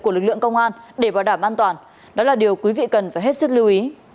của lực lượng công an để bảo đảm an toàn đó là điều quý vị cần phải hết sức lưu ý